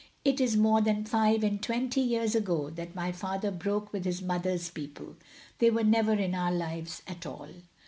It is more than five and twenty years ago that my father broke with his mother's people. They were never in our lives at all."